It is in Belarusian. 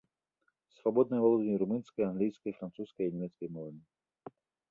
Свабодна валодае румынскай, англійскай, французскай і нямецкай мовамі.